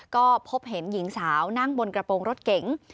ก็พบเห็นหญิงสาวนั่งบนกระโปรงรถเก๋ง